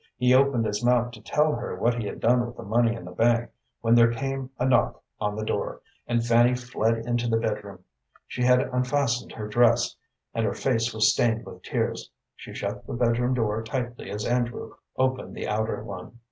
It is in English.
He opened his mouth to tell her what he had done with the money in the bank, when there came a knock on the door, and Fanny fled into the bedroom. She had unfastened her dress, and her face was stained with tears. She shut the bedroom door tightly as Andrew opened the outer one.